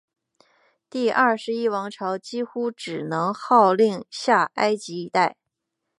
第二十一王朝几乎只能号令下埃及一带。